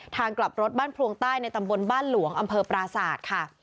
ทางกลับรถบ้านพลวงใต้ในตำบลบ้านหลวงอำเภอปราศาสตร์ค่ะ